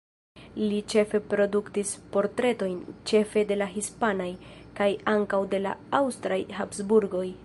Li ĉefe produktis portretojn, ĉefe de la hispanaj, kaj ankaŭ de la aŭstraj, Habsburgoj.